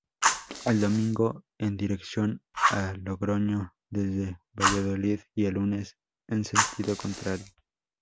El domingo en dirección a Logroño desde Valladolid y el lunes en sentido contrario.